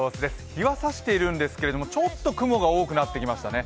日は差しているんですけど、ちょっと雲が多くなってきましたね。